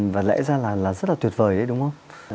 và lẽ ra là rất là tuyệt vời đấy đúng không